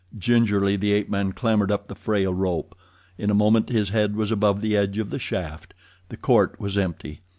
Gingerly the ape man clambered up the frail rope. In a moment his head was above the edge of the shaft. The court was empty.